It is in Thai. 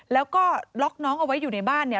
แล้วก็ล็อกน้องเอาไว้อยู่ในบ้าน